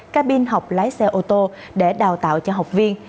cabin học lái xe ô tô để đào tạo cho học viên